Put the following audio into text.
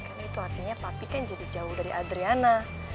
karena itu artinya papi kan jadi jauh dari adriana